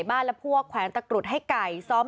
มันพวกแขวนตะกรุดให้ไก่ซ้อม